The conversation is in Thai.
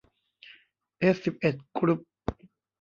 เอสสิบเอ็ดกรุ๊ป